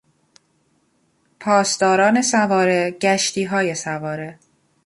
پاسداران سواره، گشتیهای سواره